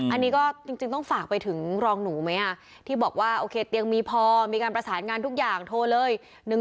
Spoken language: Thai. อันนี้ก็จริงต้องฝากไปถึงรองหนูไหมที่บอกว่าโอเคเตียงมีพอมีการประสานงานทุกอย่างโทรเลย